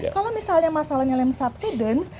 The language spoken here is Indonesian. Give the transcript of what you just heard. kalau misalnya masalahnya lem subsidence